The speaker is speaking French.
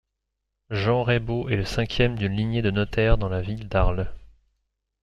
Jean Raybaud est le cinquième d'une lignée de notaires de la ville d'Arles.